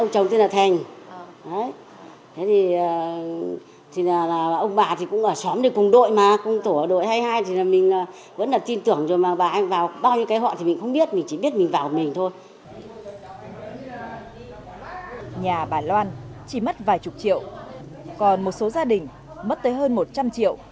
còn một số gia đình mất tới hơn một triệu